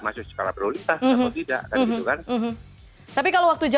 masuk skala prioritas atau tidak kan gitu kan